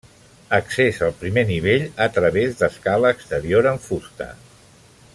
Accés al primer nivell a través d'escala exterior en fusta.